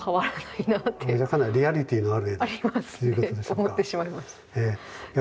リアリティーのある絵ということですか？